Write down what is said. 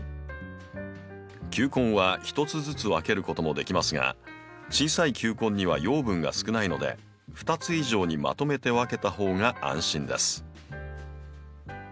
球根は１つずつ分けることもできますが小さい球根には養分が少ないので２つ以上にまとめて分けた方が安心です。